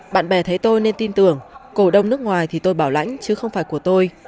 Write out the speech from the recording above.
bạn bè thấy tôi nên tin tưởng cổ đông nước ngoài thì tôi bảo lãnh chứ không phải của tôi